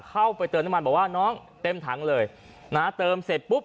เข้าไปเติมน้ำมันบอกว่าน้องเต็มถังเลยนะเติมเสร็จปุ๊บ